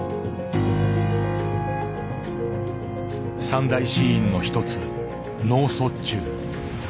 三大死因の一つ脳卒中。